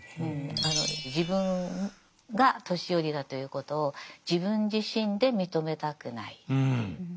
自分が年寄りだということを自分自身で認めたくないという。